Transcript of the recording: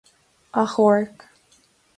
Achomhairc.